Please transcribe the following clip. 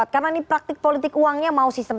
karena ini praktik politik uangnya mau sistem